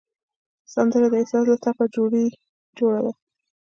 سندره د احساس له ټپه جوړه ده